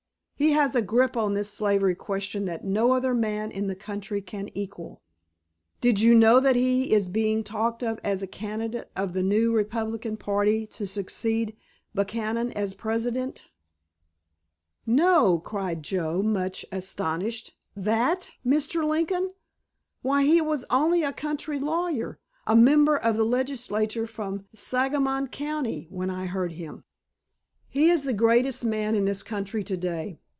He has a grip on this slavery question that no other man in the country can equal. Did you know that he is being talked of as a candidate of the new Republican party to succeed Buchanan as President?" "No," cried Joe, much astonished. "That Mr. Lincoln? Why, he was only a country lawyer, a member of the legislature from Sangamon County, when I heard him!" "He is the greatest man in this country to day.